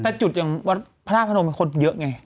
แต่ในวันพนาทพระนมเขียกคนไง